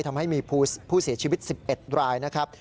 ทำให้มีผู้เสียชีวิต๑๑รายนะครับ